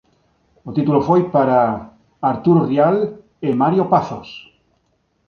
O título foi para Arturo Rial e Mario Pazos.